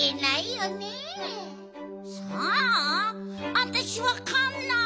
わたしわかんない。